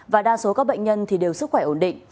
và đa số các bệnh nhân thì đều sức khỏe ổn định